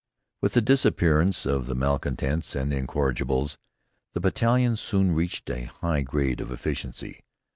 With the disappearance of the malcontents and incorrigibles the battalion soon reached a high grade of efficiency.